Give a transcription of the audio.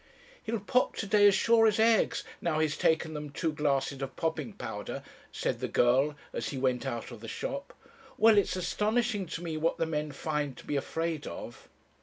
"'He'll pop to day as sure as eggs, now he's taken them two glasses of popping powder,' said the girl, as he went out of the shop. 'Well, it's astonishing to me what the men find to be afraid of.'